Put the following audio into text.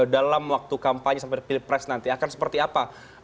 dalam waktu kampanye sampai pilpres nanti akan seperti apa